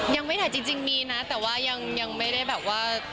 ยังไม่ถ่ายจริงมีนะแต่ว่ายังไม่ได้แบบว่า